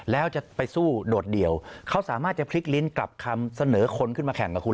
แล้วจะไปสู้โดดเดี่ยวเขาสามารถจะพลิกลิ้นกลับคำเสนอคนขึ้นมาแข่งกับคุณ